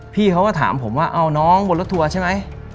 พี่เขาก็ถามผมว่าเอาน้องบนรถทัวร์ใช่ไหม